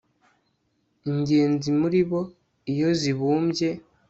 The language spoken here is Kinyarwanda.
ingenzi muri bo iyo zibumbye